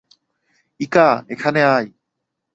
ইকা, এখানে আয়।